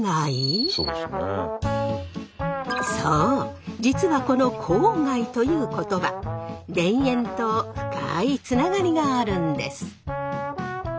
そう実はこの「郊外」という言葉田園と深いつながりがあるんです。